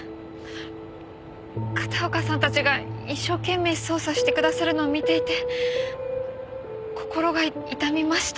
片岡さんたちが一生懸命捜査してくださるのを見ていて心が痛みました。